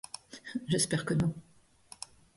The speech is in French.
J’espère que non.